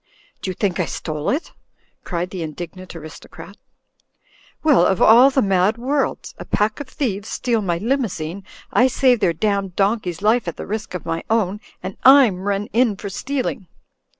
"Do you think I stole it?" cried the indignant aris tocrat. "Well, of all the mad worlds! A pack of thieves steal my Limousine, I save their damned don key's life at the risk of my own — and Fm run in for stealing."